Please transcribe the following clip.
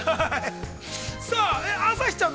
朝日ちゃん。